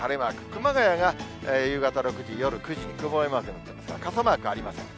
熊谷が夕方６時、夜９時に曇りマークになってますが、傘マークありません。